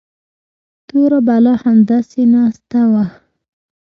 توره بلا همداسې ناسته وه.